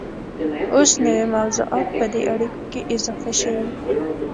اوس نوي موضوعات په دې اړیکو کې اضافه شوي